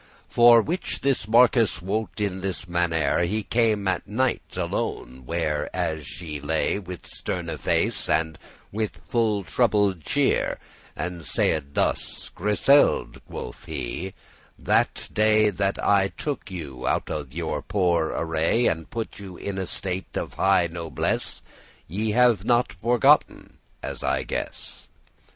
For which this marquis wrought in this mannere: He came at night alone there as she lay, With sterne face and with full troubled cheer, And saide thus; "Griseld'," quoth he "that day That I you took out of your poor array, And put you in estate of high nobless, Ye have it not forgotten, as I guess.